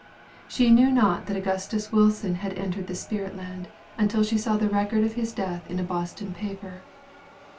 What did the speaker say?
She knew not that Augustus Wilson had entered the spirit land, until she saw the record of his death in a Boston paper.